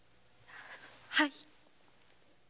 はい。